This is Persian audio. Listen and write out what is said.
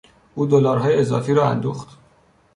او دلارهای اضافی را اندوخت.